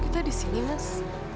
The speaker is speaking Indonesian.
kita disini mas